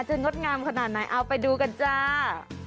งดงามขนาดไหนเอาไปดูกันจ้า